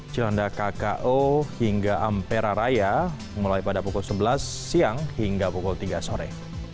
cilanda kko hingga ampera raya mulai pada pukul sebelas siang hingga pukul tiga sore